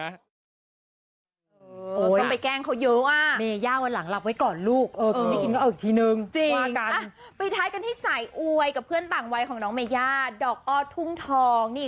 ต้องไปแกล้งเขาเยอะอ่ะเมย่าวันหลังรับไว้ก่อนลูกเออกินไม่กินก็เอาอีกทีนึงว่ากันไปท้ายกันที่สายอวยกับเพื่อนต่างวัยของน้องเมย่าดอกอ้อทุ่งทองนี่